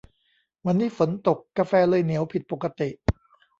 วันนี้ฝนตก กาแฟเลยเหนียวผิดปกติ